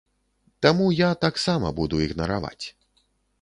Таму я таксама буду ігнараваць.